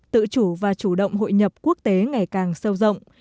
tự chủ và chủ động hội nhập quốc tế ngày càng sâu rộng